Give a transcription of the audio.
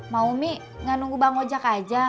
mau mi gak nunggu bang ojek aja